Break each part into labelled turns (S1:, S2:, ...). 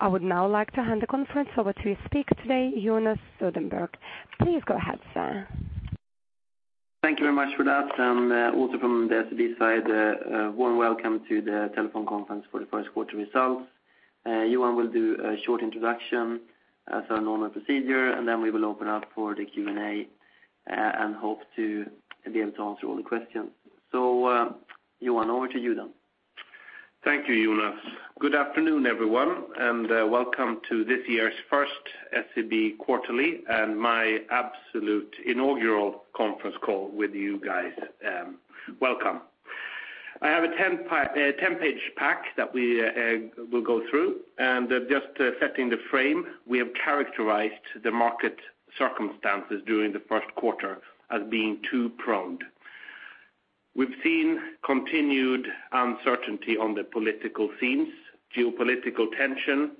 S1: I would now like to hand the conference over to speak today, Jonas Söderberg. Please go ahead, sir.
S2: Thank you very much for that. Also from the SEB side, a warm welcome to the telephone conference for the first quarter results. Johan will do a short introduction as our normal procedure. Then we will open up for the Q&A and hope to be able to answer all the questions. Johan, over to you then.
S3: Thank you, Jonas. Good afternoon, everyone, and welcome to this year's first SEB quarterly and my absolute inaugural conference call with you guys. Welcome. I have a 10-page pack that we will go through. Just setting the frame, we have characterized the market circumstances during the first quarter as being two-pronged. We've seen continued uncertainty on the political scenes, geopolitical tension,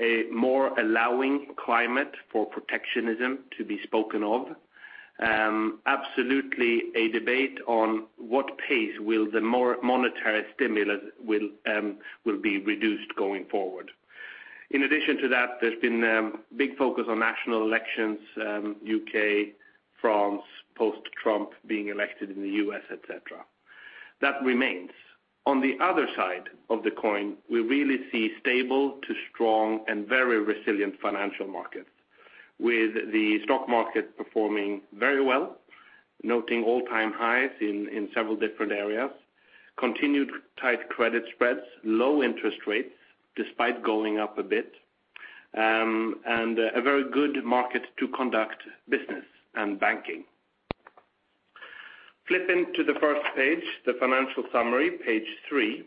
S3: a more allowing climate for protectionism to be spoken of, absolutely a debate on what pace will the monetary stimulus will be reduced going forward. In addition to that, there's been big focus on national elections, U.K., France, post Trump being elected in the U.S., et cetera. That remains. On the other side of the coin, we really see stable to strong and very resilient financial markets, with the stock market performing very well, noting all-time highs in several different areas, continued tight credit spreads, low interest rates despite going up a bit, and a very good market to conduct business and banking. Flipping to the first page, the financial summary, page three.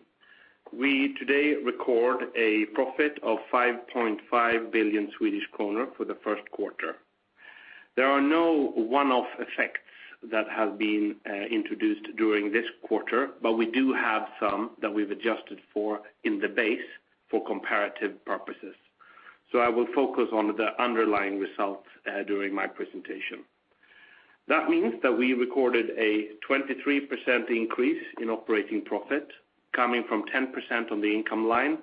S3: We today record a profit of 5.5 billion Swedish kronor for the first quarter. There are no one-off effects that have been introduced during this quarter. We do have some that we've adjusted for in the base for comparative purposes. I will focus on the underlying results during my presentation. That means that we recorded a 23% increase in operating profit coming from 10% on the income line,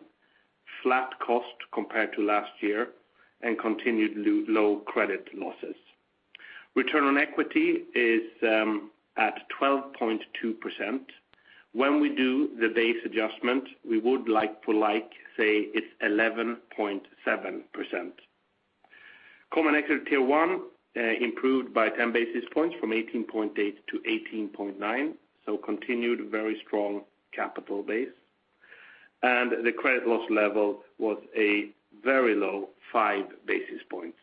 S3: flat cost compared to last year, and continued low credit losses. Return on equity is at 12.2%. When we do the base adjustment, we would like to say it is 11.7%. Common Equity Tier 1 improved by 10 basis points from 18.8 to 18.9, so continued very strong capital base. The credit loss level was a very low five basis points.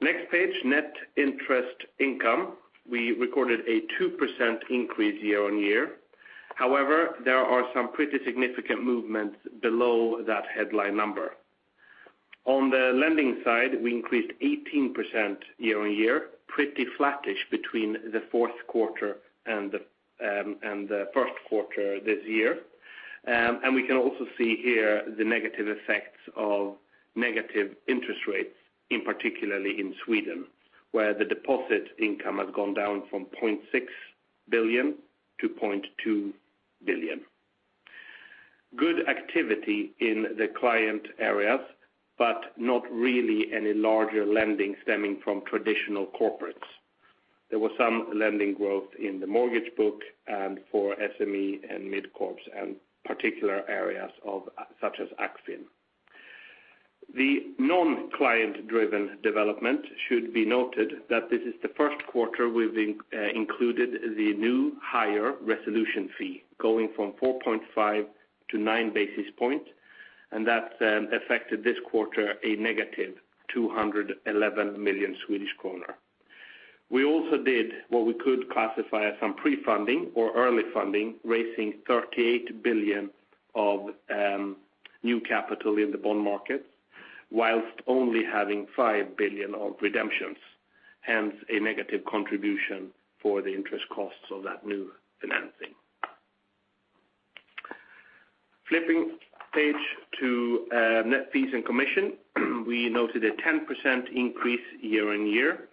S3: Next page, net interest income. We recorded a 2% increase year-on-year. However, there are some pretty significant movements below that headline number. On the lending side, we increased 18% year-on-year, pretty flattish between the fourth quarter and the first quarter this year. We can also see here the negative effects of negative interest rates in particularly in Sweden, where the deposit income has gone down from 0.6 billion to 0.2 billion. Good activity in the client areas, but not really any larger lending stemming from traditional corporates. There was some lending growth in the mortgage book and for SME and Mid Corp and particular areas such as Axin. The non-client-driven development should be noted that this is the first quarter we have included the new higher resolution fee going from 4.5 to nine basis points, that affected this quarter a negative 211 million Swedish kronor. We also did what we could classify as some pre-funding or early funding, raising 38 billion of new capital in the bond markets whilst only having 5 billion of redemptions, hence a negative contribution for the interest costs of that new financing. Flipping page to net fees and commission. We noted a 10% increase year-on-year,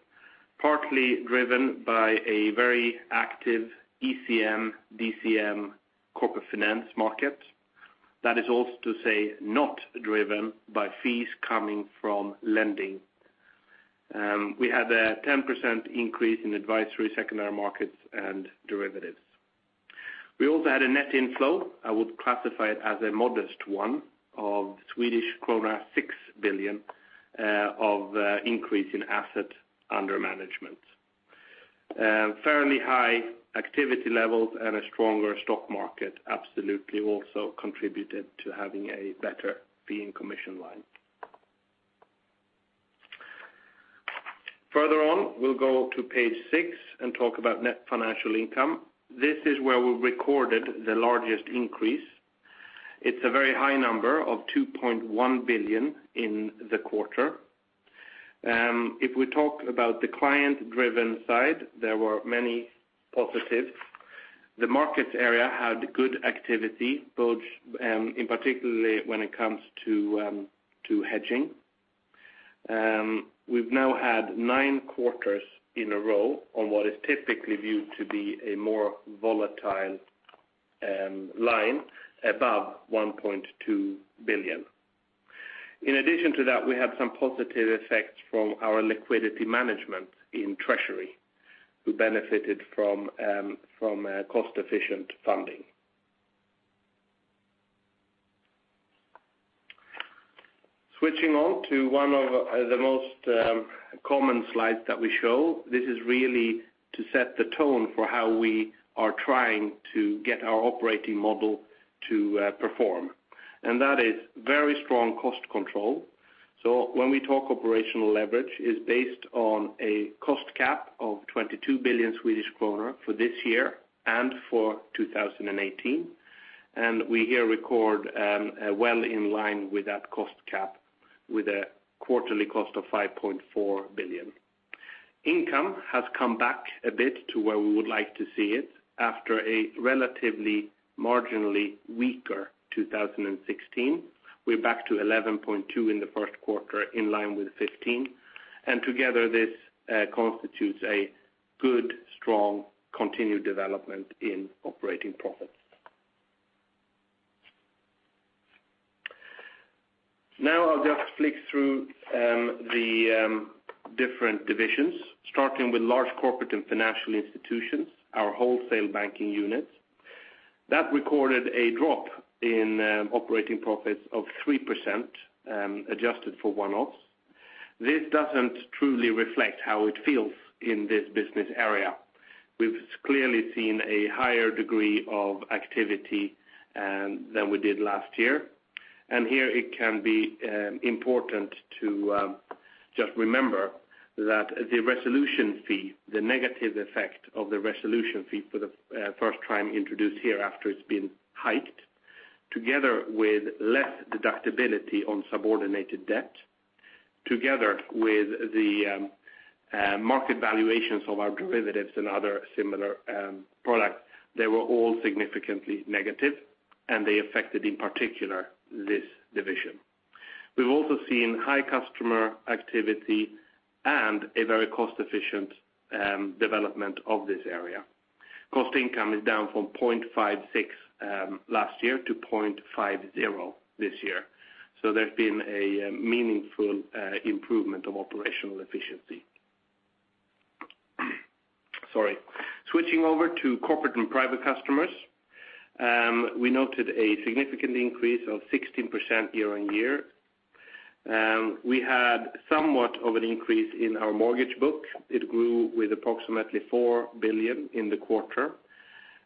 S3: partly driven by a very active ECM, DCM corporate finance market. That is also to say not driven by fees coming from lending. We had a 10% increase in advisory secondary markets and derivatives. We also had a net inflow, I would classify it as a modest one, of Swedish krona 6 billion of increase in asset under management. Fairly high activity levels and a stronger stock market absolutely also contributed to having a better fee and commission line. We will go to page six and talk about net financial income. This is where we recorded the largest increase. It is a very high number of 2.1 billion in the quarter. If we talk about the client-driven side, there were many positives. The markets area had good activity, both in particularly when it comes to hedging. We have now had nine quarters in a row on what is typically viewed to be a more volatile line above 1.2 billion. In addition to that, we have some positive effects from our liquidity management in treasury, who benefited from cost-efficient funding. Switching on to one of the most common slides that we show. This is really to set the tone for how we are trying to get our operating model to perform, and that is very strong cost control. When we talk operational leverage, it is based on a cost cap of 22 billion Swedish kronor for this year and for 2018. We here record well in line with that cost cap with a quarterly cost of 5.4 billion. Income has come back a bit to where we would like to see it after a relatively marginally weaker 2016. We are back to 11.2 in the first quarter, in line with 2015, together this constitutes a good, strong continued development in operating profits. Now I will just flick through the different divisions, starting with Large Corporates & Financial Institutions, our wholesale banking unit. That recorded a drop in operating profits of 3% adjusted for one-offs. This doesn't truly reflect how it feels in this business area. We've clearly seen a higher degree of activity than we did last year. Here it can be important to just remember that the resolution fee, the negative effect of the resolution fee for the first time introduced here after it's been hiked, together with less deductibility on subordinated debt, together with the market valuations of our derivatives and other similar products, they were all significantly negative, and they affected, in particular, this division. We've also seen high customer activity and a very cost-efficient development of this area. Cost income is down from 0.56 last year to 0.50 this year. There's been a meaningful improvement of operational efficiency. Sorry. Switching over to corporate and private customers. We noted a significant increase of 16% year-over-year. We had somewhat of an increase in our mortgage book. It grew with approximately 4 billion in the quarter.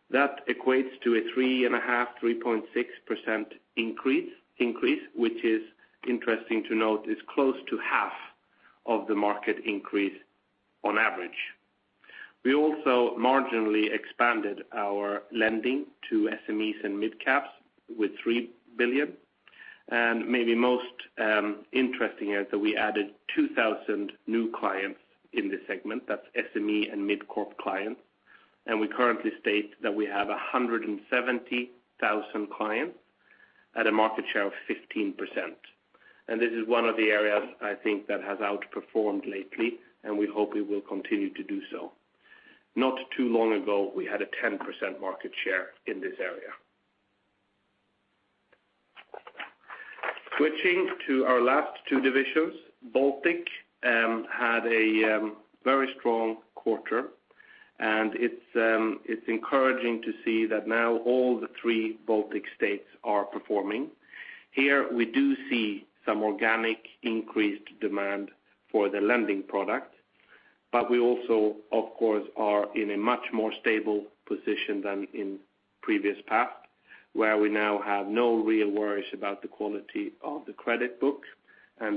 S3: That equates to a 3.5%-3.6% increase, which is interesting to note, is close to half of the market increase on average. We also marginally expanded our lending to SMEs and midcaps with 3 billion. Maybe most interesting here is that we added 2,000 new clients in this segment. That's SME and midcap clients. We currently state that we have 170,000 clients at a market share of 15%. This is one of the areas I think that has outperformed lately, and we hope it will continue to do so. Not too long ago, we had a 10% market share in this area. Switching to our last two divisions. Baltic had a very strong quarter, and it's encouraging to see that now all the three Baltic states are performing. Here, we do see some organic increased demand for the lending product. We also, of course, are in a much more stable position than in previous paths, where we now have no real worries about the quality of the credit book.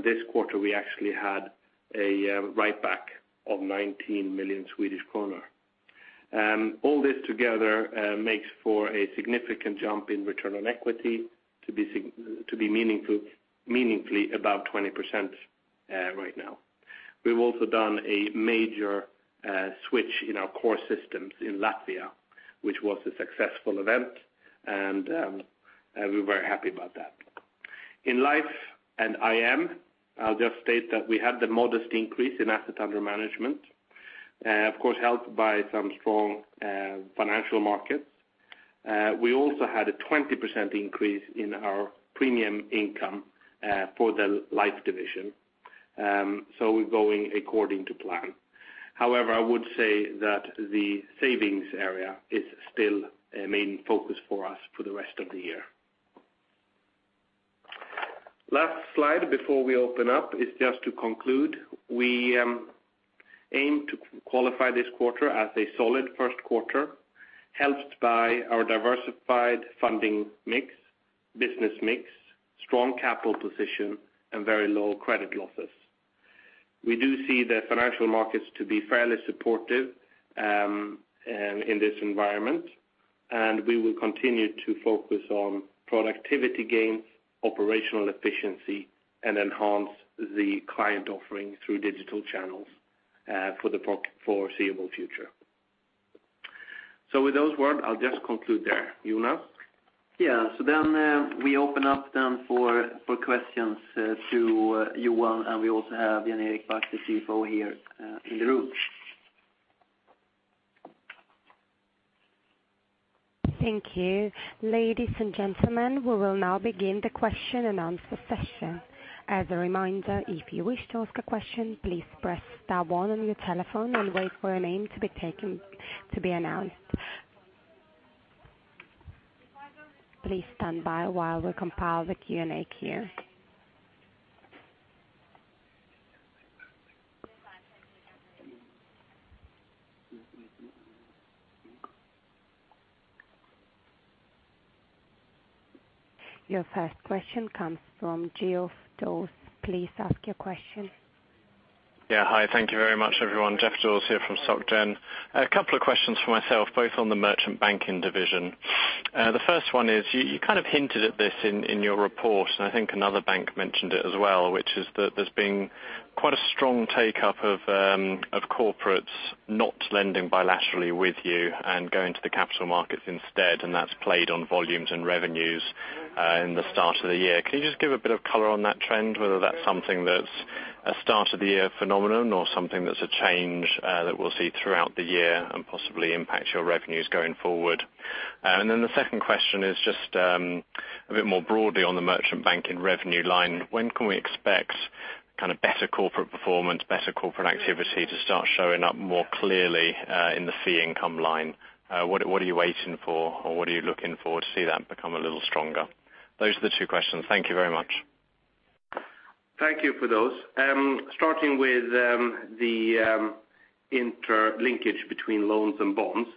S3: This quarter, we actually had a writeback of 19 million Swedish kronor. All this together makes for a significant jump in return on equity to be meaningfully above 20% right now. We've also done a major switch in our core systems in Latvia, which was a successful event, and we're very happy about that. In Life and IM, I'll just state that we had the modest increase in asset under management, of course, helped by some strong financial markets. We also had a 20% increase in our premium income for the Life division. We're going according to plan. However, I would say that the savings area is still a main focus for us for the rest of the year. Last slide before we open up is just to conclude. We aim to qualify this quarter as a solid first quarter, helped by our diversified funding mix, business mix, strong capital position, and very low credit losses. We do see the financial markets to be fairly supportive in this environment, and we will continue to focus on productivity gains, operational efficiency, and enhance the client offering through digital channels for the foreseeable future. With those words, I'll just conclude there. Jonas?
S2: We open up for questions to Johan, and we also have Jan Erik Back, the CFO here in the room.
S1: Thank you. Ladies and gentlemen, we will now begin the question and answer session. As a reminder, if you wish to ask a question, please press star one on your telephone and wait for a name to be announced. Please stand by while we compile the Q&A queue. Your first question comes from Geoff Dawes. Please ask your question.
S4: Hi, thank you very much, everyone. Geoff Dawes here from Société Générale. A couple of questions from myself, both on the Merchant Banking division. The first one is, you kind of hinted at this in your report, and I think another bank mentioned it as well, which is that there's been quite a strong take-up of corporates not lending bilaterally with you and going to the capital markets instead, and that's played on volumes and revenues in the start of the year. Can you just give a bit of color on that trend, whether that's something that's a start-of-the-year phenomenon or something that's a change that we'll see throughout the year and possibly impact your revenues going forward? The second question is just a bit more broadly on the Merchant Banking revenue line. When can we expect better corporate performance, better corporate activity to start showing up more clearly in the fee income line? What are you waiting for, or what are you looking for to see that become a little stronger? Those are the two questions. Thank you very much.
S3: Thank you for those. Starting with the interlinkage between loans and bonds.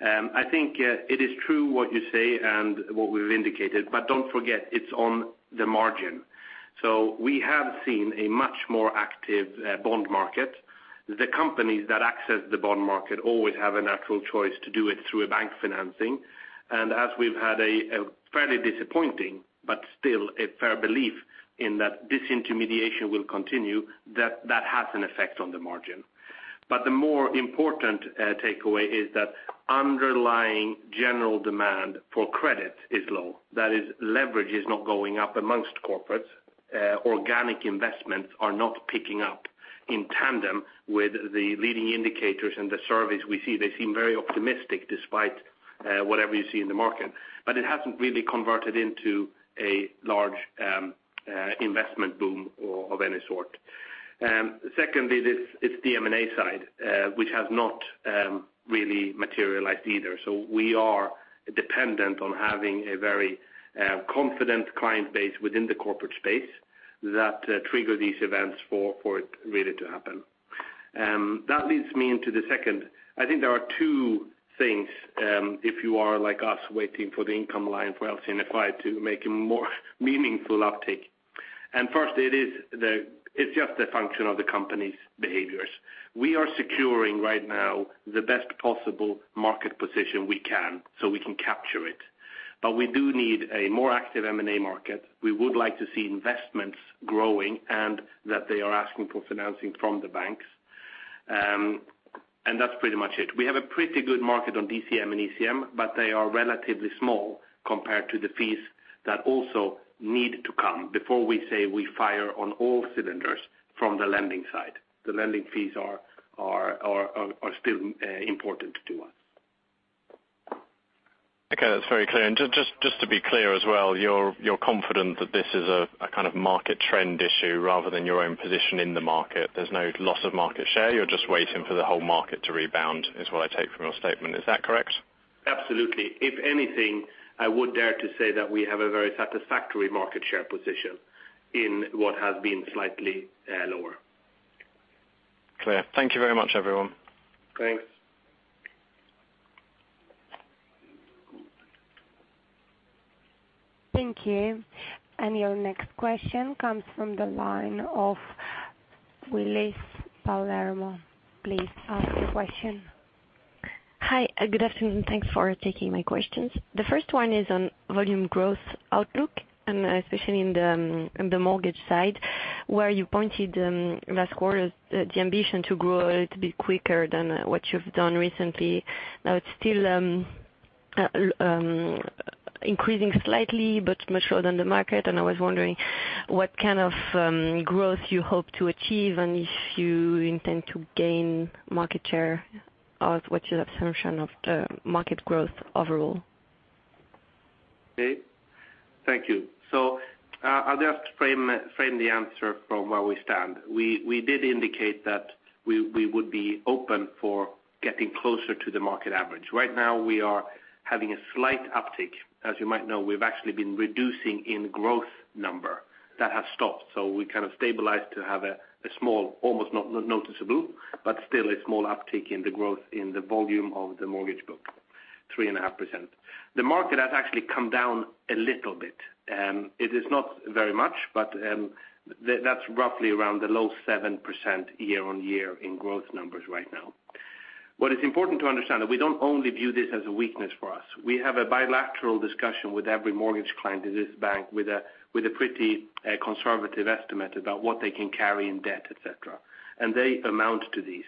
S3: I think it is true what you say and what we've indicated, but don't forget, it's on the margin. We have seen a much more active bond market. The companies that access the bond market always have a natural choice to do it through a bank financing. As we've had a fairly disappointing, but still a fair belief in that disintermediation will continue, that has an effect on the margin. The more important takeaway is that underlying general demand for credit is low. That is, leverage is not going up amongst corporates. Organic investments are not picking up in tandem with the leading indicators and the surveys we see. They seem very optimistic despite whatever you see in the market. It hasn't really converted into a large investment boom of any sort. Secondly, it's the M&A side, which has not really materialized either. We are dependent on having a very confident client base within the corporate space that trigger these events for it really to happen. That leads me into the second. I think there are two things if you are like us waiting for the income line for LC&FI to make a more meaningful uptick. First, it's just a function of the company's behaviors. We are securing right now the best possible market position we can so we can capture it. We do need a more active M&A market. We would like to see investments growing and that they are asking for financing from the banks. That's pretty much it. We have a pretty good market on DCM and ECM, but they are relatively small compared to the fees that also need to come before we say we fire on all cylinders from the lending side. The lending fees are still important to us.
S4: Okay, that's very clear. Just to be clear as well, you're confident that this is a kind of market trend issue rather than your own position in the market. There's no loss of market share. You're just waiting for the whole market to rebound, is what I take from your statement. Is that correct?
S3: Absolutely. If anything, I would dare to say that we have a very satisfactory market share position in what has been slightly lower.
S4: Clear. Thank you very much, everyone.
S3: Thanks.
S1: Thank you. Your next question comes from the line of Willis Palermo. Please ask your question.
S5: Hi. Good afternoon. Thanks for taking my questions. The first one is on volume growth outlook, and especially in the mortgage side, where you pointed last quarter the ambition to grow a little bit quicker than what you've done recently. It's still increasing slightly but much slower than the market, and I was wondering what kind of growth you hope to achieve, and if you intend to gain market share, or what's your assumption of the market growth overall?
S3: Okay. Thank you. I'll just frame the answer from where we stand. We did indicate that we would be open for getting closer to the market average. Right now we are having a slight uptick. As you might know, we've actually been reducing in growth number. That has stopped. We stabilized to have a small, almost not noticeable, but still a small uptick in the growth in the volume of the mortgage book, 3.5%. The market has actually come down a little bit. It is not very much, but that's roughly around the low 7% year-over-year in growth numbers right now. What is important to understand that we don't only view this as a weakness for us. We have a bilateral discussion with every mortgage client in this bank with a pretty conservative estimate about what they can carry in debt, et cetera. They amount to this.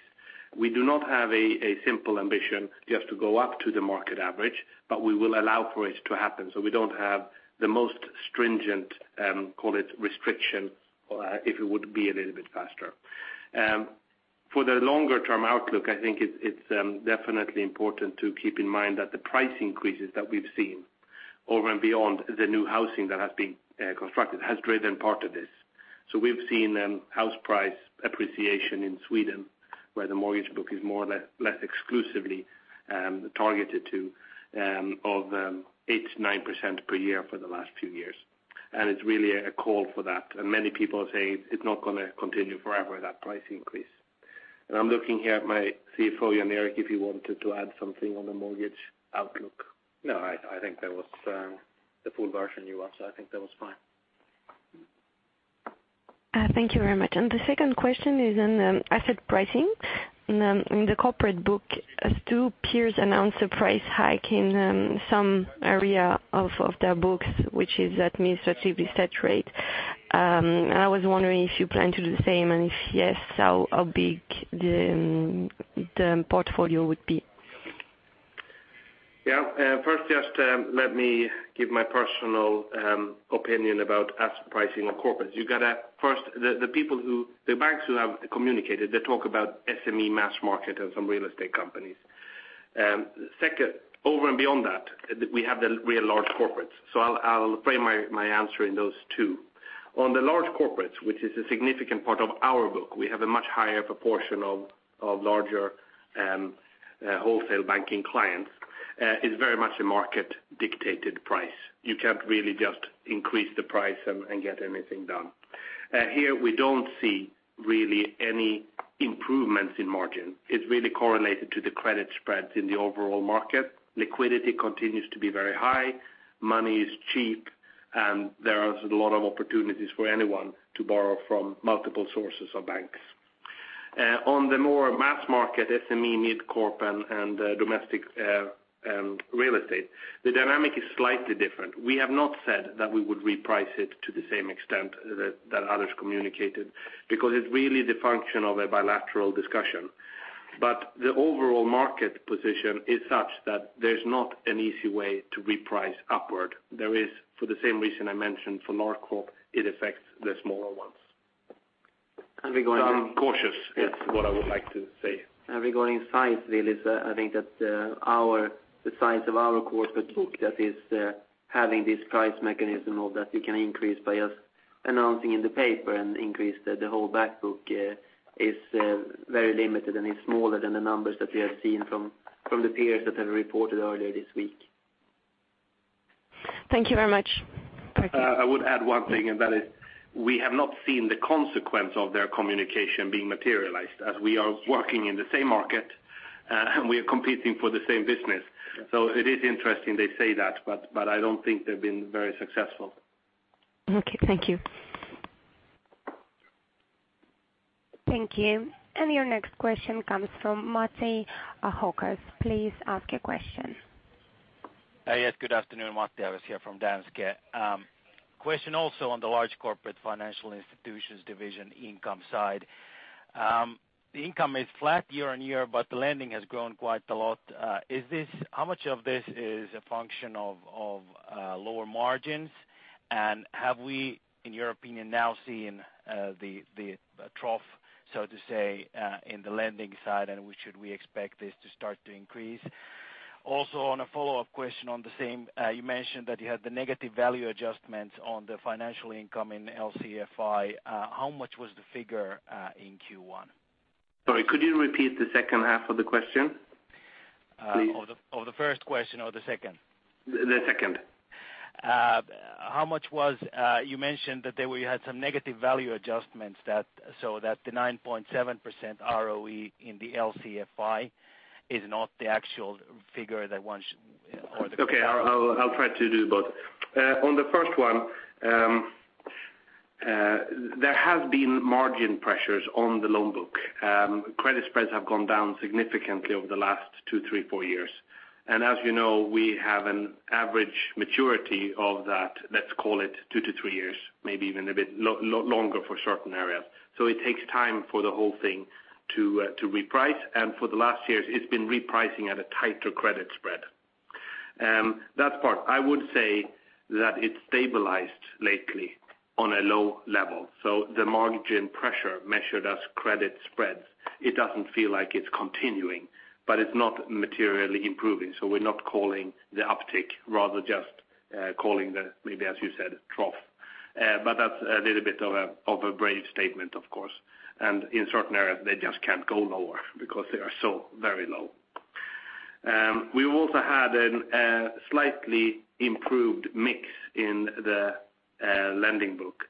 S3: We do not have a simple ambition just to go up to the market average, but we will allow for it to happen. We don't have the most stringent, call it restriction, if it would be a little bit faster. For the longer-term outlook, I think it's definitely important to keep in mind that the price increases that we've seen over and beyond the new housing that has been constructed has driven part of this. We've seen house price appreciation in Sweden, where the mortgage book is more or less exclusively targeted to, of 8%-9% per year for the last few years. It's really a call for that. Many people are saying it's not going to continue forever, that price increase. I'm looking here at my CFO, Jan Erik, if you wanted to add something on the mortgage outlook.
S2: I think that was the full version you want, I think that was fine.
S5: Thank you very much. The second question is on asset pricing. In the corporate book, as two peers announced a price hike in some area of their books, which is administratively set rate. I was wondering if you plan to do the same, and if yes, how big the portfolio would be.
S3: Yeah. First, just let me give my personal opinion about asset pricing on corporates. First, the banks who have communicated, they talk about SME mass market and some real estate companies. Second, over and beyond that, we have the real large corporates. I'll frame my answer in those two. On the large corporates, which is a significant part of our book, we have a much higher proportion of larger wholesale banking clients, is very much a market-dictated price. You can't really just increase the price and get anything done. Here, we don't see really any improvements in margin. It's really correlated to the credit spreads in the overall market. Liquidity continues to be very high. Money is cheap. There are a lot of opportunities for anyone to borrow from multiple sources or banks. On the more mass market, SME, Mid Corp, and domestic real estate, the dynamic is slightly different. We have not said that we would reprice it to the same extent that others communicated, because it's really the function of a bilateral discussion. The overall market position is such that there's not an easy way to reprice upward. There is, for the same reason I mentioned for large corp, it affects the smaller ones.
S6: And regarding-
S3: I'm cautious is what I would like to say.
S6: Regarding size, I think that the size of our corporate book that is having this price mechanism of that we can increase by just announcing in the paper and increase the whole back book is very limited and is smaller than the numbers that we have seen from the peers that have reported earlier this week.
S5: Thank you very much.
S3: I would add one thing, and that is we have not seen the consequence of their communication being materialized as we are working in the same market, and we are competing for the same business. It is interesting they say that, but I don't think they've been very successful.
S5: Okay. Thank you.
S1: Thank you. Your next question comes from Mats Hokers. Please ask your question.
S7: Yes. Good afternoon. Mats Hokers here from Danske. Question also on the large corporate financial institutions division income side. The income is flat year-over-year, but the lending has grown quite a lot. How much of this is a function of lower margins? Have we, in your opinion, now seen the trough, so to say, in the lending side, and should we expect this to start to increase? On a follow-up question on the same, you mentioned that you had the negative value adjustments on the financial income in LC&FI. How much was the figure in Q1?
S3: Sorry. Could you repeat the second half of the question, please?
S7: Of the first question or the second?
S3: The second.
S7: You mentioned that you had some negative value adjustments so that the 9.7% ROE in the LC&FI is not the actual figure that one should
S3: Okay. I'll try to do both. On the first one, there has been margin pressures on the loan book. Credit spreads have gone down significantly over the last two, three, four years. As you know, we have an average maturity of that, let's call it two to three years, maybe even a bit longer for certain areas. It takes time for the whole thing to reprice. For the last years, it's been repricing at a tighter credit spread. That part, I would say that it stabilized lately on a low level. The margin pressure measured as credit spreads. It doesn't feel like it's continuing, but it's not materially improving. We're not calling the uptick, rather just calling the, maybe as you said, trough. That's a little bit of a brave statement, of course. In certain areas, they just can't go lower because they are so very low. We also had a slightly improved mix in the lending book.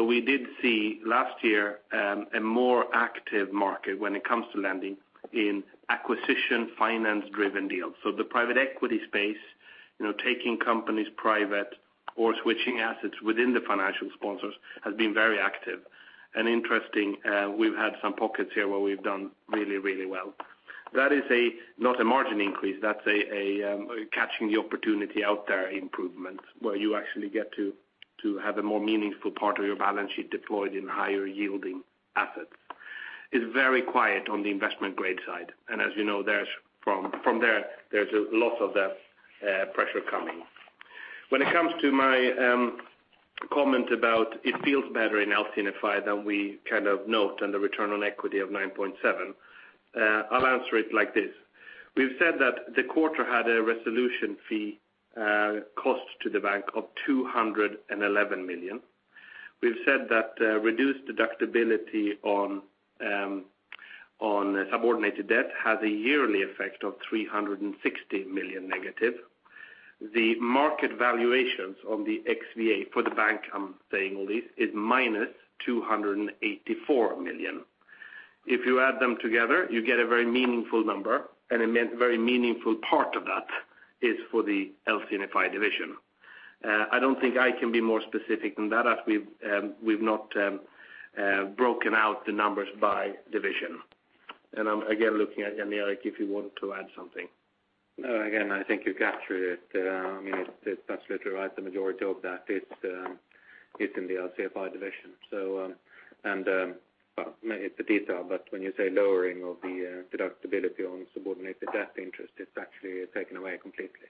S3: We did see last year a more active market when it comes to lending in acquisition finance-driven deals. The private equity space, taking companies private or switching assets within the financial sponsors has been very active. Interesting, we've had some pockets here where we've done really, really well. That is not a margin increase. That's catching the opportunity out there improvement, where you actually get to have a more meaningful part of your balance sheet deployed in higher yielding assets. It's very quiet on the investment grade side. As you know, from there's a lot of that pressure coming. When it comes to my comment about it feels better in LC&I than we note on the return on equity of 9.7, I'll answer it like this. We've said that the quarter had a resolution fee cost to the bank of 211 million. We've said that reduced deductibility on subordinated debt has a yearly effect of 360 million negative. The market valuations on the XVA for the bank, I'm saying all this, is minus 284 million. If you add them together, you get a very meaningful number, and a very meaningful part of that is for the LC&I division. I don't think I can be more specific than that, as we've not broken out the numbers by division. I'm again looking at Jan-Erik, if you want to add something.
S6: No, again, I think you captured it. That's literally right. The majority of that is in the LC&I division. It's a detail, but when you say lowering of the deductibility on subordinated debt interest, it's actually taken away completely.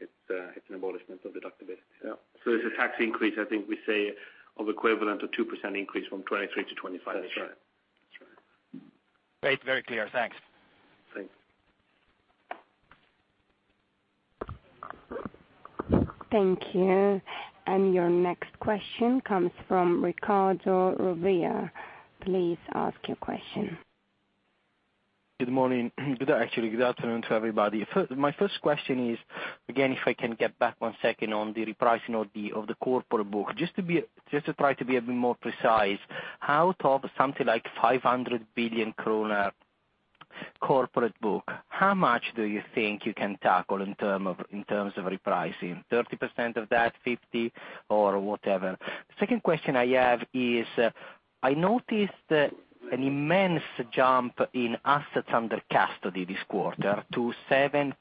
S6: It's an abolishment of deductibility.
S3: Yeah. It's a tax increase, I think we say, of equivalent to 2% increase from 2023 to 2025.
S6: That's right.
S7: Great. Very clear. Thanks.
S2: Thanks.
S1: Thank you. Your next question comes from Riccardo Ravia. Please ask your question.
S8: Good morning. Actually, good afternoon to everybody. My first question is, again, if I can get back one second on the repricing of the corporate book. Just to try to be a bit more precise, out of something like 500 billion kronor corporate book, how much do you think you can tackle in terms of repricing? 30% of that, 50% or whatever? Second question I have is, I noticed an immense jump in assets under custody this quarter to 7.4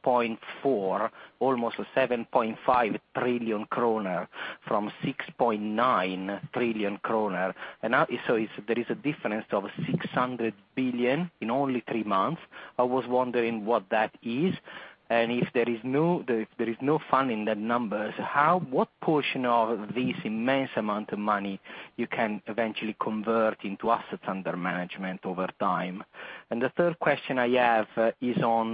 S8: trillion, almost 7.5 trillion kronor from 6.9 trillion kronor. There is a difference of 600 billion in only three months. I was wondering what that is, and if there is no fund in that numbers, what portion of this immense amount of money you can eventually convert into assets under management over time? The third question I have is on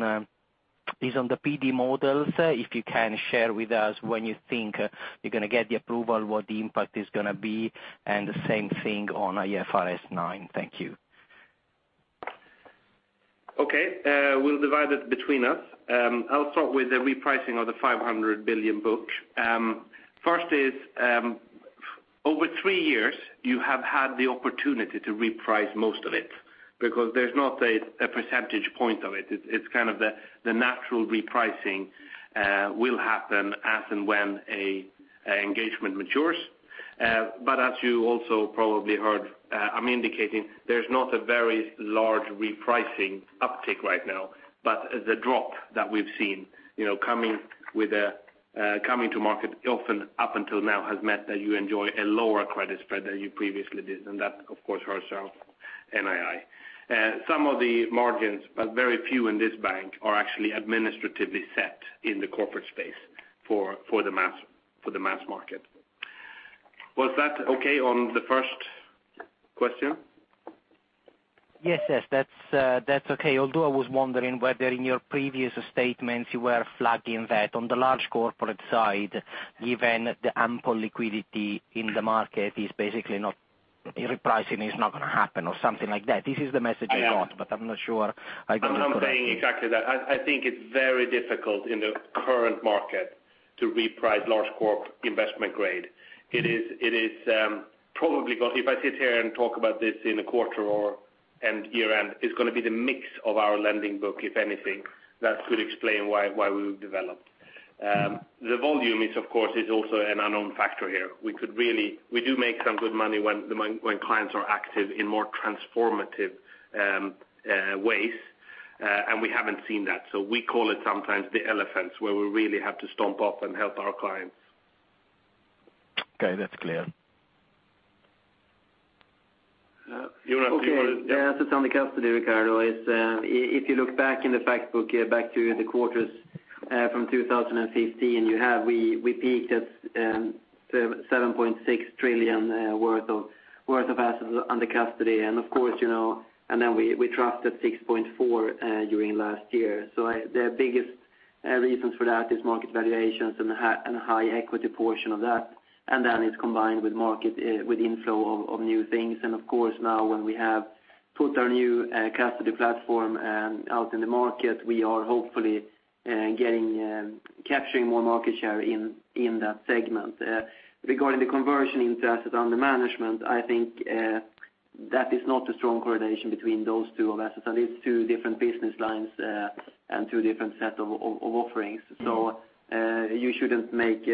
S8: the PD models. If you can share with us when you think you're going to get the approval, what the impact is going to be, and the same thing on IFRS 9. Thank you.
S3: Okay. We'll divide it between us. I'll start with the repricing of the 500 billion book. First is, over three years, you have had the opportunity to reprice most of it because there's not a percentage point of it. It's the natural repricing will happen as and when an engagement matures. As you also probably heard, I'm indicating there's not a very large repricing uptick right now. The drop that we've seen coming to market often up until now has meant that you enjoy a lower credit spread than you previously did. That, of course, hurts our NII. Some of the margins, but very few in this bank, are actually administratively set in the corporate space for the mass market. Was that okay on the first question?
S8: Yes, that's okay. Although I was wondering whether in your previous statements you were flagging that on the large corporate side, given the ample liquidity in the market, repricing is not going to happen or something like that. This is the message I got, but I'm not sure.
S3: I'm not saying exactly that. I think it's very difficult in the current market to reprice large corp investment grade. If I sit here and talk about this in a quarter or end year-end, it's going to be the mix of our lending book, if anything, that could explain why we've developed. The volume is, of course, is also an unknown factor here. We do make some good money when clients are active in more transformative ways, and we haven't seen that. We call it sometimes the elephants where we really have to stomp up and help our clients.
S8: Okay. That's clear.
S3: Jan-Erik, you want to-
S6: Okay. The assets under custody, Riccardo, if you look back in the fact book back to the quarters from 2015, we peaked at 7.6 trillion worth of assets under custody. Then we dropped at 6.4 trillion during last year. The biggest reasons for that is market valuations and high equity portion of that. Then it's combined with inflow of new things. Of course, now when we have put our new custody platform out in the market, we are hopefully capturing more market share in that segment. Regarding the conversion into assets under management, I think that is not a strong correlation between those two of assets. It's two different business lines and two different set of offerings. You shouldn't make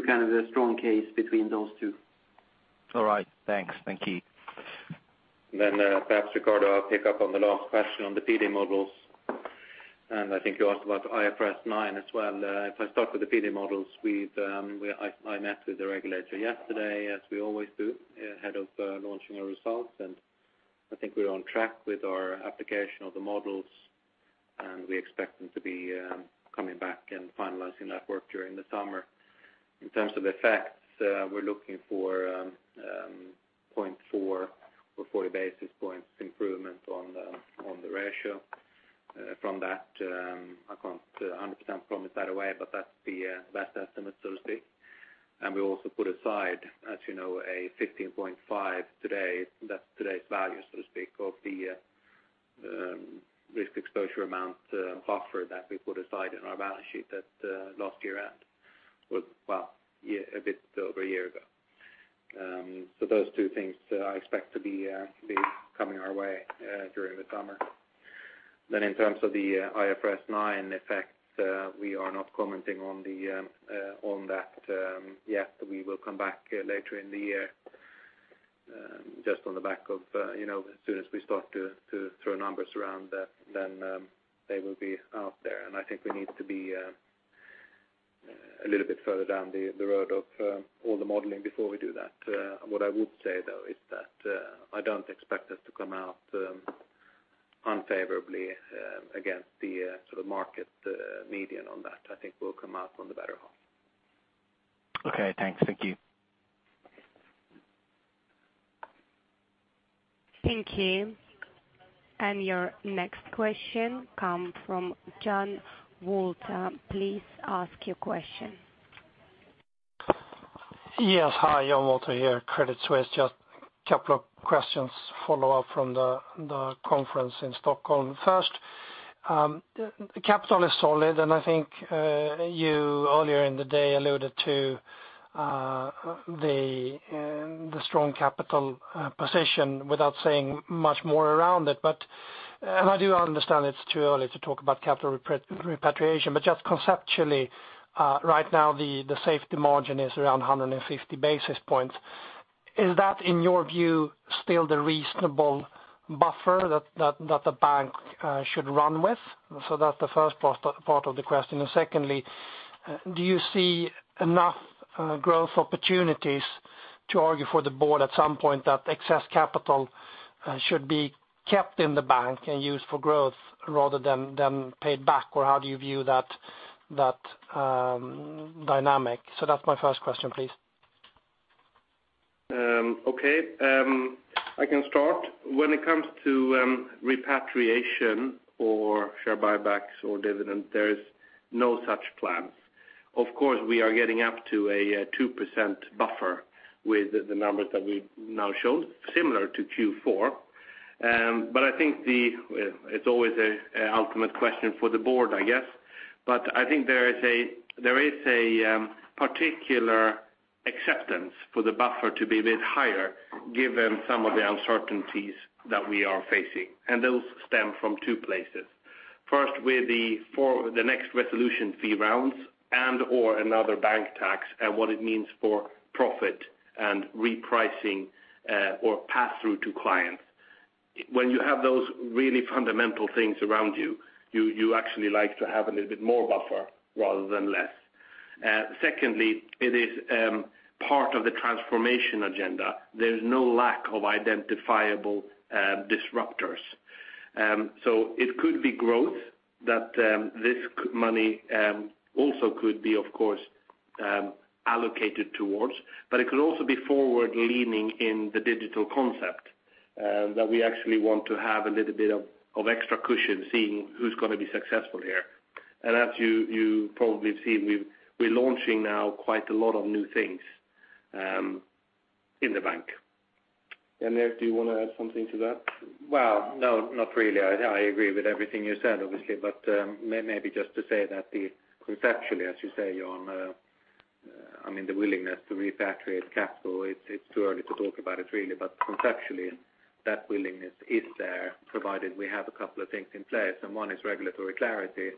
S6: too strong case between those two.
S8: All right. Thanks. Thank you.
S6: Perhaps, Riccardo, I'll pick up on the last question on the PD models, and I think you asked about IFRS 9 as well. If I start with the PD models, I met with the regulator yesterday as we always do ahead of launching our results, and I think we're on track with our application of the models, and we expect them to be coming back and finalizing that work during the summer. In terms of effects, we're looking for 0.4 or 40 basis points improvement on the ratio. From that, I can't 100% promise right away, but that's the best estimate so to speak. We also put aside, as you know, a 15.5 today. That's today's value, so to speak, of the risk exposure amount buffer that we put aside in our balance sheet last year-end. Well, a bit over a year ago. Those two things I expect to be coming our way during the summer. In terms of the IFRS 9 effect, we are not commenting on that yet. We will come back later in the year just on the back of as soon as we start to throw numbers around then they will be out there. I think we need to be a little bit further down the road of all the modeling before we do that. What I would say, though, is that I don't expect us to come out unfavorably against the market median on that. I think we'll come out on the better half.
S8: Okay, thanks. Thank you.
S1: Thank you. Your next question come from John Walter. Please ask your question.
S9: Yes. Hi, John Walter here, Credit Suisse. Just couple of questions follow up from the conference in Stockholm. First, capital is solid, I think you earlier in the day alluded to the strong capital position without saying much more around it. I do understand it's too early to talk about capital repatriation, just conceptually, right now the safety margin is around 150 basis points. Is that, in your view, still the reasonable buffer that the bank should run with? That's the first part of the question. Secondly, do you see enough growth opportunities to argue for the board at some point that excess capital should be kept in the bank and used for growth rather than paid back, or how do you view that dynamic? That's my first question, please.
S3: Okay. I can start. When it comes to repatriation or share buybacks or dividend, there is no such plans. Of course, we are getting up to a 2% buffer with the numbers that we've now shown, similar to Q4. I think it's always an ultimate question for the board, I guess. I think there is a particular acceptance for the buffer to be a bit higher given some of the uncertainties that we are facing. Those stem from two places. First, with the next resolution fee rounds and/or another bank tax and what it means for profit and repricing or pass-through to clients. When you have those really fundamental things around you actually like to have a little bit more buffer rather than less. Secondly, it is part of the transformation agenda. There's no lack of identifiable disruptors. It could be growth that this money also could be, of course, allocated towards, but it could also be forward-leaning in the digital concept that we actually want to have a little bit of extra cushion seeing who's going to be successful here. As you probably have seen, we're launching now quite a lot of new things in the bank. Jan, do you want to add something to that?
S6: Well, no, not really. I agree with everything you said, obviously, maybe just to say that conceptually, as you say, John, the willingness to repatriate capital, it's too early to talk about it, really. Conceptually, that willingness is there, provided we have a couple of things in place, and one is regulatory clarity,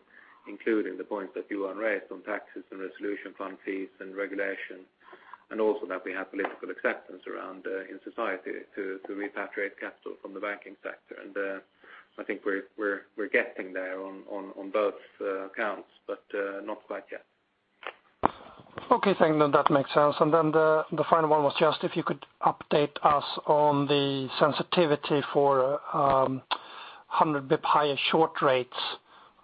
S6: including the points that Johan raised on taxes and resolution fund fees and regulation, also that we have political acceptance around in society to repatriate capital from the banking sector. I think we're getting there on both counts, but not quite yet.
S9: Okay, thanks. No, that makes sense. The final one was just if you could update us on the sensitivity for 100 basis points higher short rates,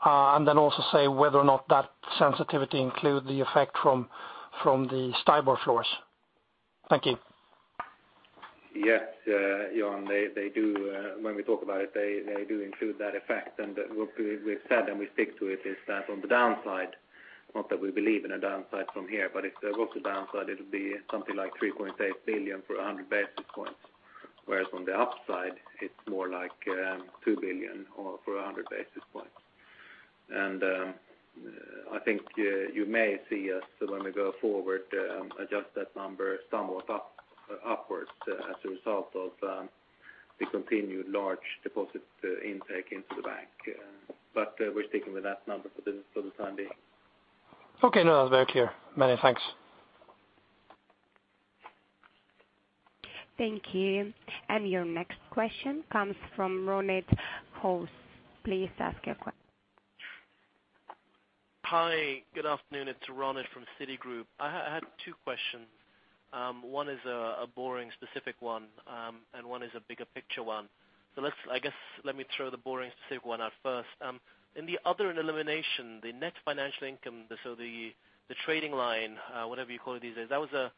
S9: then also say whether or not that sensitivity include the effect from the STIBOR floors. Thank you.
S6: Yes, John. When we talk about it, they do include that effect. What we've said, and we stick to it, is that on the downside, not that we believe in a downside from here, but if there was a downside, it'll be something like 3.8 billion for 100 basis points. Whereas on the upside, it's more like 2 billion for 100 basis points. I think you may see us, when we go forward, adjust that number somewhat upwards as a result of the continued large deposit intake into the bank. We're sticking with that number for the time being.
S9: Okay. No, that's very clear. Many thanks.
S1: Thank you. Your next question comes from Ronit Holtz. Please ask your question.
S10: Hi, good afternoon. It's Ronit from Citigroup. I had two questions. One is a boring, specific one, and one is a bigger picture one. I guess let me throw the boring specific one out first. In the other elimination, the net financial income, the trading line, whatever you call it these days, that was an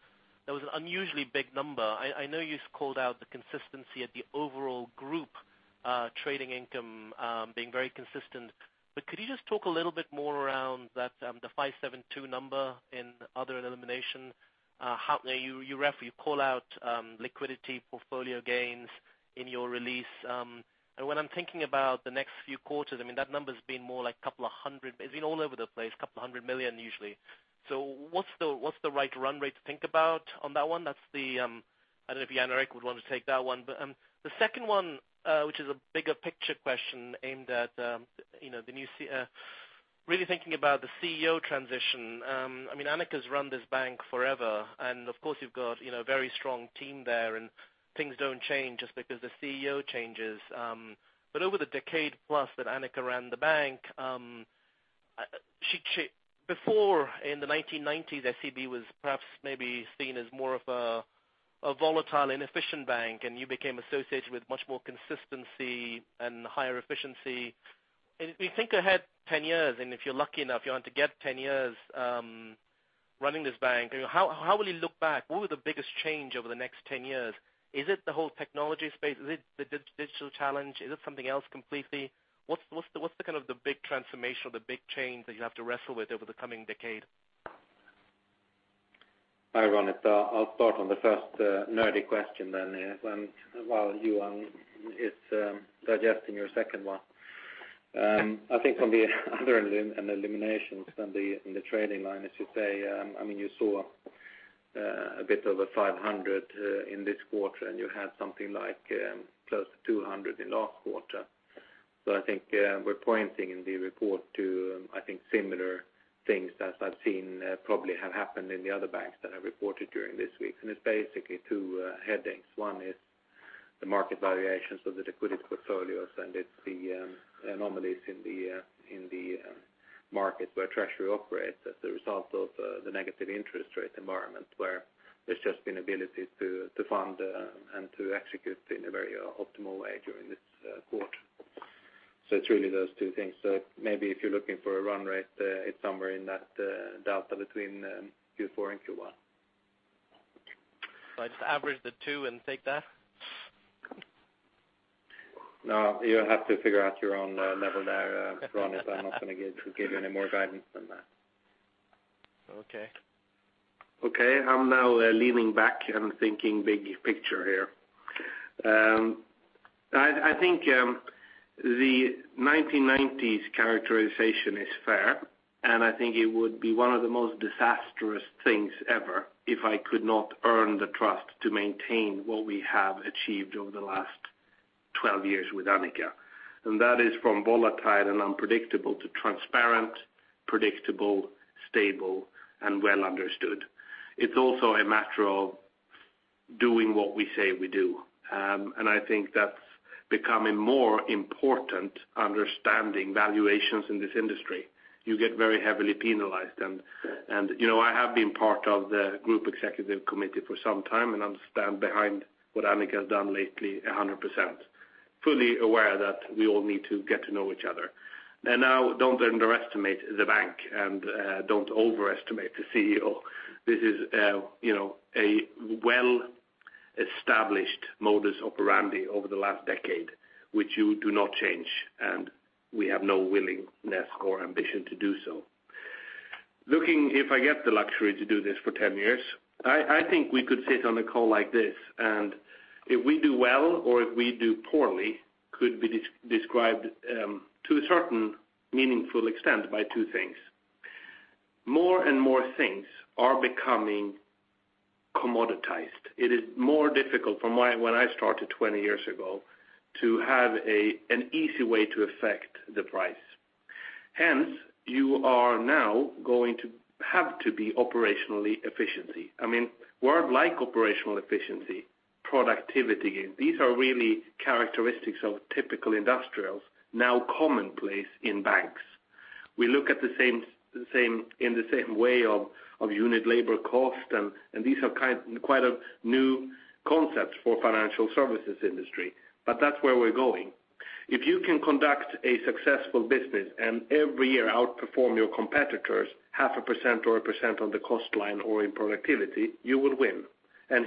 S10: unusually big number. I know you've called out the consistency at the overall group trading income, being very consistent. Could you just talk a little bit more around the 572 number in other elimination? You call out liquidity portfolio gains in your release. When I'm thinking about the next few quarters, that number's been more like a couple of hundred. It's been all over the place, a couple hundred million usually. What's the right run rate to think about on that one? I don't know if Jan Erik would want to take that one. The second one, which is a bigger picture question aimed at really thinking about the CEO transition. Annika's run this bank forever, and of course, you've got a very strong team there, and things don't change just because the CEO changes. Over the decade plus that Annika ran the bank, before in the 1990s, SEB was perhaps maybe seen as more of a volatile, inefficient bank, and you became associated with much more consistency and higher efficiency. If you think ahead 10 years, and if you're lucky enough, Johan, to get 10 years running this bank, how will you look back? What were the biggest change over the next 10 years? Is it the whole technology space? Is it the digital challenge? Is it something else completely? What's the big transformation or the big change that you have to wrestle with over the coming decade?
S6: Hi, Ronit. I'll start on the first nerdy question then, and while Johan is digesting your second one. I think from the other end in eliminations than the trading line, as you say, you saw a bit over 500 in this quarter, and you had something like close to 200 in last quarter. I think we're pointing in the report to similar things as I've seen probably have happened in the other banks that have reported during this week. It's basically two headings. One is the market valuations of the liquidity portfolios, and it's the anomalies in the market where treasury operates as the result of the negative interest rate environment, where there's just been ability to fund and to execute in a very optimal way during this quarter. It's really those two things. Maybe if you're looking for a run rate, it's somewhere in that delta between Q4 and Q1.
S10: I just average the two and take that?
S6: No. You'll have to figure out your own level there, Ronit. I'm not going to give you any more guidance than that.
S10: Okay.
S3: Okay. I'm now leaning back and thinking big picture here. I think the 1990s characterization is fair, I think it would be one of the most disastrous things ever if I could not earn the trust to maintain what we have achieved over the last 12 years with Annika. That is from volatile and unpredictable to transparent, predictable, stable, and well understood. It's also a matter of doing what we say we do. I think that's becoming more important, understanding valuations in this industry. You get very heavily penalized and I have been part of the group executive committee for some time and understand behind what Annika has done lately 100%. Fully aware that we all need to get to know each other. Now don't underestimate the bank and don't overestimate the CEO. This is a well-established modus operandi over the last decade, which you do not change, and we have no willingness or ambition to do so. Looking if I get the luxury to do this for 10 years, I think we could sit on a call like this, and if we do well or if we do poorly, could be described to a certain meaningful extent by two things. More and more things are becoming commoditized. It is more difficult from when I started 20 years ago to have an easy way to affect the price. You are now going to have to be operational efficiency. A word like operational efficiency, productivity, these are really characteristics of typical industrials now commonplace in banks. We look in the same way of unit labor cost, and these are quite a new concept for financial services industry. That's where we're going. If you can conduct a successful business and every year outperform your competitors half a percent or a percent on the cost line or in productivity, you will win.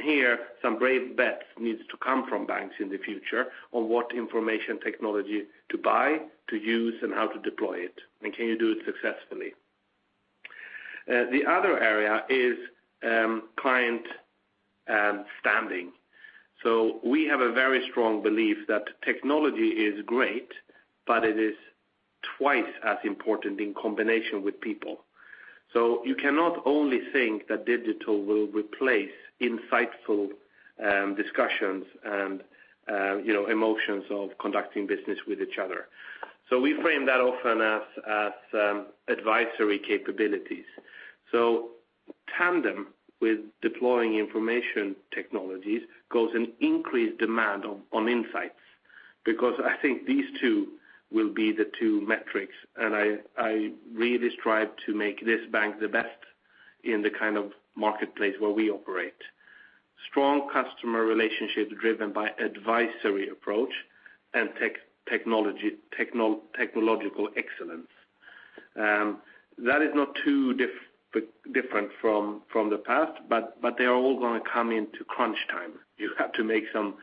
S3: Here, some brave bets need to come from banks in the future on what information technology to buy, to use, and how to deploy it. Can you do it successfully? The other area is client standing. We have a very strong belief that technology is great, but it is twice as important in combination with people. You cannot only think that digital will replace insightful discussions and emotions of conducting business with each other. We frame that often as advisory capabilities. Tandem with deploying information technologies goes an increased demand on insights, because I think these two will be the two metrics, and I really strive to make this bank the best in the kind of marketplace where we operate. Strong customer relationships driven by advisory approach and technological excellence. That is not too different from the past, but they are all going to come into crunch time. You have to make some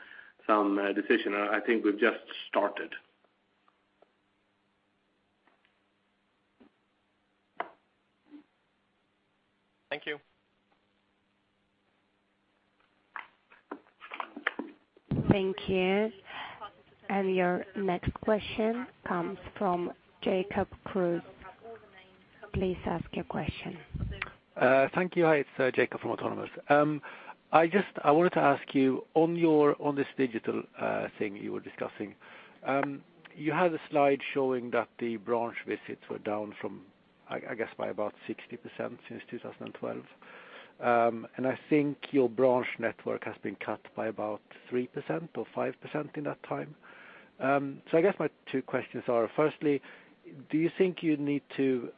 S3: decisions. I think we've just started.
S10: Thank you.
S1: Thank you. Your next question comes from Jacob Kruse. Please ask your question.
S11: Thank you. Hi, it's Jacob from Autonomous. I wanted to ask you on this digital thing you were discussing. You had a slide showing that the branch visits were down from, I guess by about 60% since 2012. I think your branch network has been cut by about 3% or 5% in that time. I guess my two questions are, firstly, do you think you need to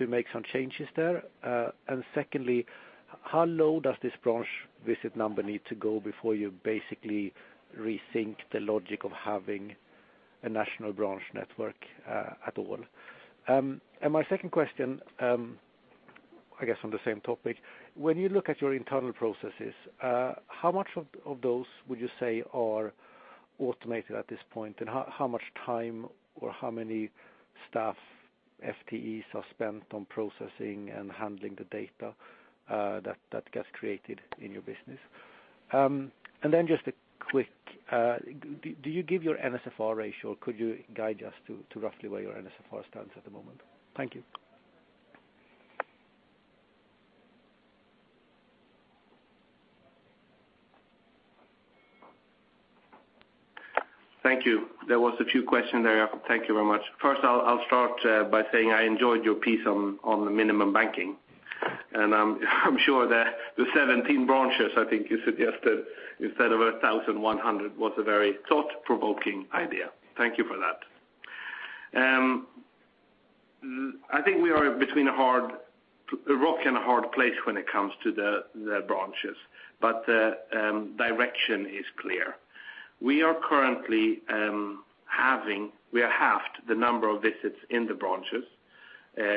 S11: make some changes there? Secondly, how low does this branch visit number need to go before you basically rethink the logic of having a national branch network at all? My second question, I guess on the same topic, when you look at your internal processes, how much of those would you say are automated at this point? How much time or how many staff FTEs are spent on processing and handling the data that gets created in your business? Just a quick, do you give your NSFR ratio? Could you guide us to roughly where your NSFR stands at the moment? Thank you.
S3: Thank you. There was a few questions there, Jacob. Thank you very much. First, I'll start by saying I enjoyed your piece on the minimum banking. I'm sure the 17 branches, I think you suggested instead of 1,100, was a very thought-provoking idea. Thank you for that. I think we are between a rock and a hard place when it comes to the branches. The direction is clear. We are currently we have halved the number of visits in the branches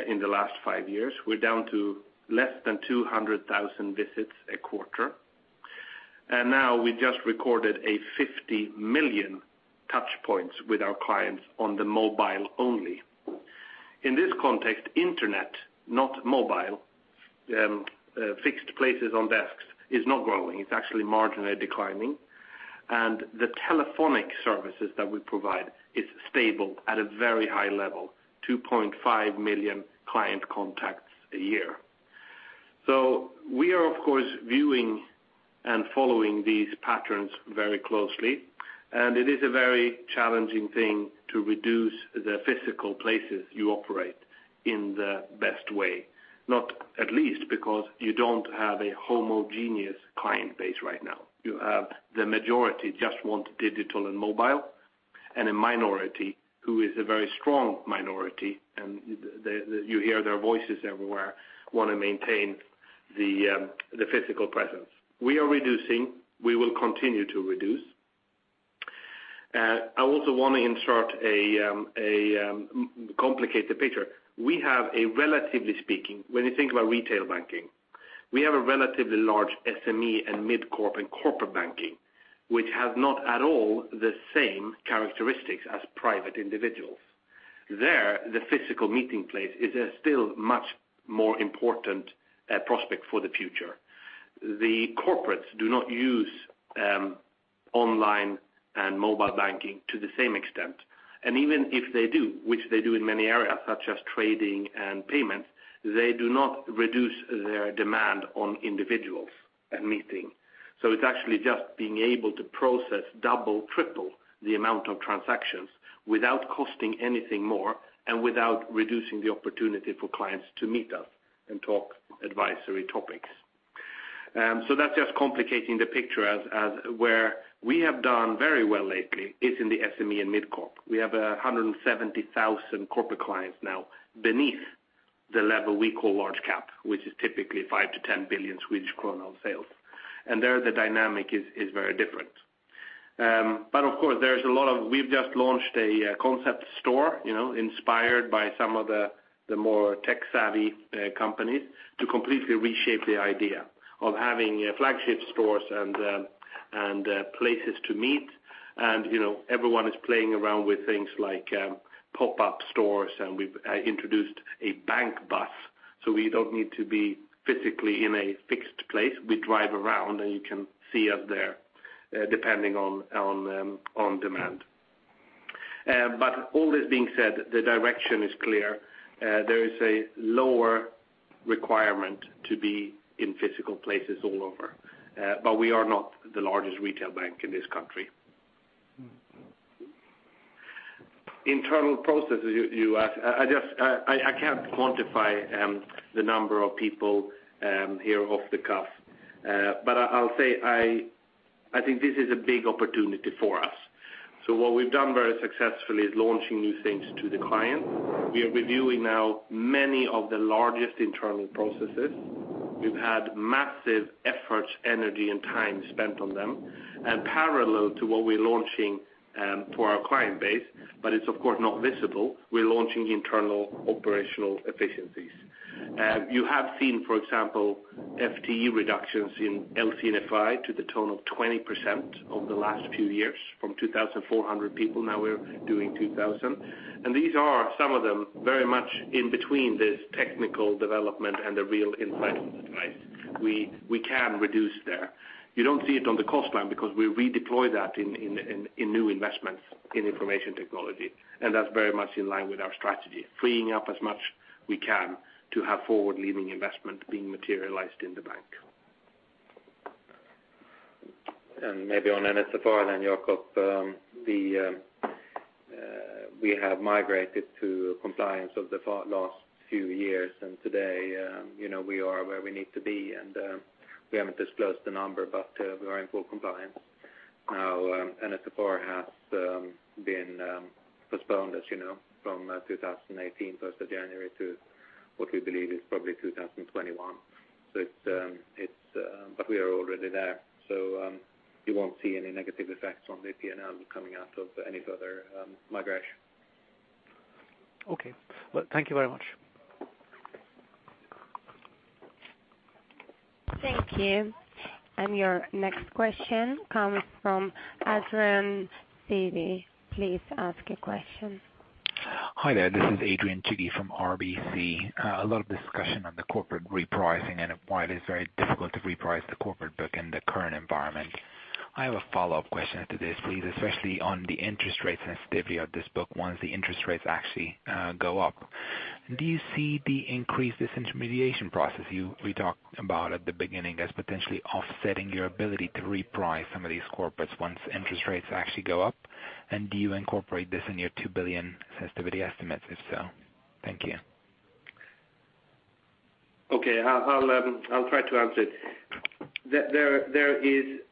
S3: in the last five years. We're down to less than 200,000 visits a quarter. Now we just recorded a 50 million touch points with our clients on the mobile only. In this context, internet, not mobile, fixed places on desks is not growing. It's actually marginally declining. The telephonic services that we provide is stable at a very high level, 2.5 million client contacts a year. We are, of course, viewing and following these patterns very closely, and it is a very challenging thing to reduce the physical places you operate in the best way. Not least because you don't have a homogeneous client base right now. You have the majority just want digital and mobile, and a minority who is a very strong minority, and you hear their voices everywhere, want to maintain the physical presence. We are reducing. We will continue to reduce. I also want to insert a complicated picture. We have a relatively speaking, when you think about retail banking, we have a relatively large SME and Mid-corporate banking, which has not at all the same characteristics as private individuals. There, the physical meeting place is a still much more important prospect for the future. The corporates do not use online and mobile banking to the same extent. Even if they do, which they do in many areas such as trading and payments, they do not reduce their demand on individuals and meeting. It's actually just being able to process double, triple the amount of transactions without costing anything more and without reducing the opportunity for clients to meet us and talk advisory topics. That's just complicating the picture as where we have done very well lately is in the SME and Mid-Corp. We have 170,000 corporate clients now beneath the level we call large cap, which is typically 5 billion-10 billion Swedish kronor on sales. There, the dynamic is very different. Of course, we've just launched a concept store inspired by some of the more tech-savvy companies to completely reshape the idea of having flagship stores and places to meet. Everyone is playing around with things like pop-up stores, and we've introduced a bank bus, so we don't need to be physically in a fixed place. We drive around, and you can see us there, depending on demand. All this being said, the direction is clear. There is a lower requirement to be in physical places all over. We are not the largest retail bank in this country. Internal processes, you asked, I can't quantify the number of people here off the cuff. I'll say, I think this is a big opportunity for us. What we've done very successfully is launching new things to the client. We are reviewing now many of the largest internal processes. We've had massive efforts, energy, and time spent on them. Parallel to what we're launching for our client base, but it's of course not visible, we're launching internal operational efficiencies. You have seen, for example, FTE reductions in LC&FI to the tune of 20% over the last few years. From 2,400 people, now we're doing 2,000. These are some of them very much in between this technical development and the real impact on the price. We can reduce there. You don't see it on the cost plan because we redeploy that in new investments in information technology, and that's very much in line with our strategy, freeing up as much we can to have forward-leaning investment being materialized in the bank.
S6: Maybe on NSFR, Jacob. We have migrated to compliance over the far last few years, and today we are where we need to be. We haven't disclosed the number, but we are in full compliance now. NSFR has been postponed, as you know, from 2018, 1st of January to what we believe is probably 2021. We are already there, so you won't see any negative effects on the P&L coming out of any further migration.
S11: Okay. Well, thank you very much.
S1: Thank you. Your next question comes from Adrian Twigg. Please ask your question.
S12: Hi there. This is Adrian Twigg from RBC. A lot of discussion on the corporate repricing and why it is very difficult to reprice the corporate book in the current environment. I have a follow-up question to this, please, especially on the interest rate sensitivity of this book once the interest rates actually go up. Do you see the increased disintermediation process we talked about at the beginning as potentially offsetting your ability to reprice some of these corporates once interest rates actually go up? Do you incorporate this in your 2 billion sensitivity estimates, if so? Thank you.
S3: Okay. I'll try to answer it.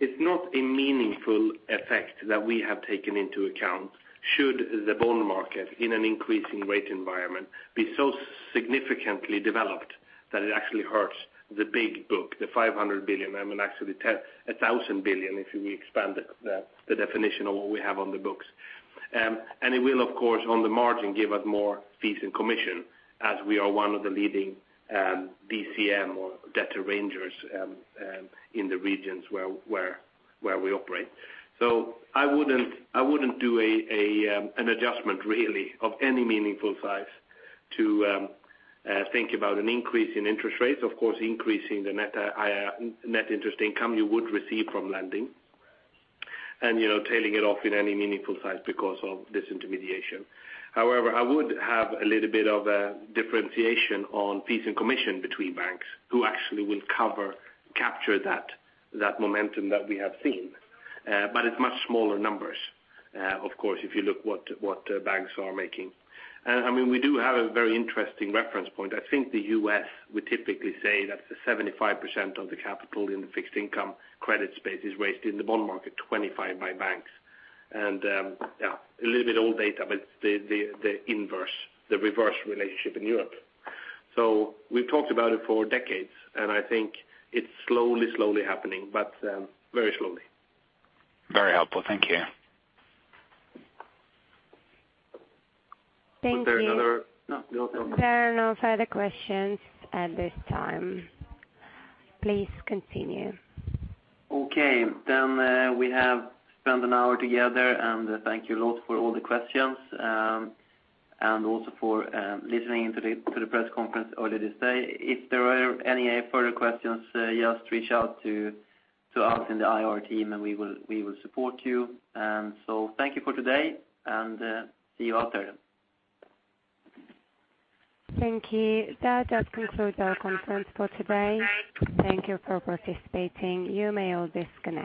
S3: It's not a meaningful effect that we have taken into account should the bond market, in an increasing rate environment, be so significantly developed that it actually hurts the big book, the 500 billion, I mean actually 1,000 billion if we expand the definition of what we have on the books. It will, of course, on the margin give us more fees and commission as we are one of the leading DCM or debt arrangers in the regions where we operate. I wouldn't do an adjustment really of any meaningful size to think about an increase in interest rates. Of course, increasing the net interest income you would receive from lending. Tailing it off in any meaningful size because of disintermediation. However, I would have a little bit of a differentiation on fees and commission between banks who actually will capture that momentum that we have seen. It's much smaller numbers, of course, if you look what banks are making. We do have a very interesting reference point. I think the U.S. would typically say that 75% of the capital in the fixed income credit space is raised in the bond market, 25% by banks. A little bit old data, but the inverse, the reverse relationship in Europe. We've talked about it for decades, and I think it's slowly happening, but very slowly.
S12: Very helpful. Thank you.
S1: Thank you.
S2: Was there another? No, we don't have-
S1: There are no further questions at this time. Please continue.
S2: Okay. We have spent an hour together, and thank you a lot for all the questions and also for listening to the press conference earlier today. If there are any further questions, just reach out to us in the IR team, and we will support you. Thank you for today, and see you out there.
S1: Thank you. That does conclude our conference for today. Thank you for participating. You may all disconnect.